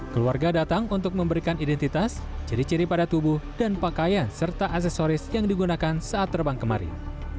keluarga datang untuk memberikan identitas ciri ciri pada tubuh dan pakaian serta aksesoris yang digunakan saat terbang kemarin